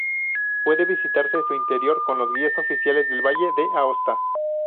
Puede visitarse su interior con los guías oficiales del Valle de Aosta.